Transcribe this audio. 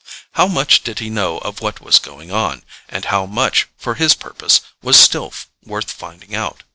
How much did he know of what was going on, and how much, for his purpose, was still worth finding out?